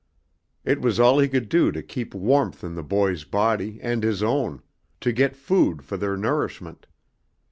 It was all he could do to keep warmth in the boy's body and his own, to get food for their nourishment.